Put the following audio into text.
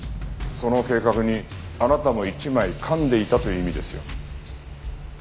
その計画にあなたも一枚かんでいたという意味ですよ。